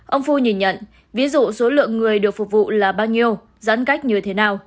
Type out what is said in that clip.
ông phu nhìn nhận ví dụ số lượng người được phục vụ là bao nhiêu giãn cách như thế nào